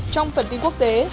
trong phần tin quốc tế